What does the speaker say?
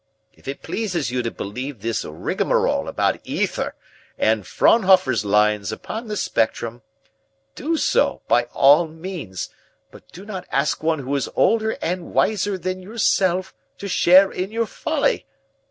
If it pleases you to believe this rigmarole about ether and Fraunhofer's lines upon the spectrum, do so by all means, but do not ask one who is older and wiser than yourself to share in your folly.